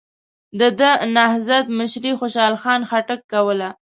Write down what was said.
د دغه نهضت مشري خوشحال خان خټک کوله.